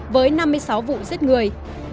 với năm mươi sáu vụ giết người